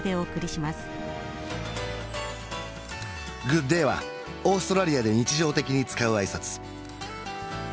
「グッデイ」はオーストラリアで日常的に使う挨拶